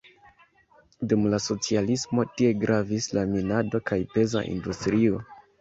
Dum la socialismo tie gravis la minado kaj peza industrio.